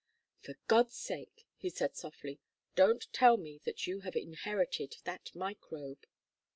"For God's sake," he said, softly, "don't tell me that you have inherited that microbe."